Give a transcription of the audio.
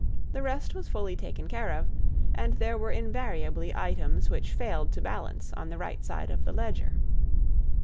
The rest was fully taken care of, and there were invariably items which failed to balance on the right side of the ledger.